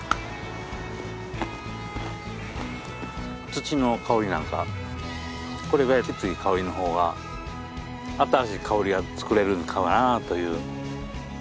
土の香りなんかこれぐらいきつい香りの方が新しい香りを作れるんかなあという。